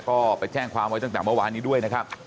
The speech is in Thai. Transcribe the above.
ก็ไปแจ้งความไว้ตั้งแต่เมื่อวานนี้ด้วยนะครับ